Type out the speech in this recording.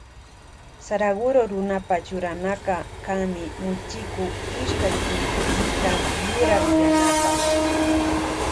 Saraguro runapa churanaka kanmi muchiku ishkay tullpimikan yurak yanapash.